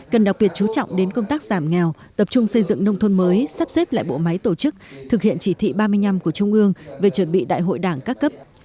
cần đặc biệt chú trọng đến công tác giảm nghèo tập trung xây dựng nông thôn mới sắp xếp lại bộ máy tổ chức thực hiện chỉ thị ba mươi năm của trung ương về chuẩn bị đại hội đảng các cấp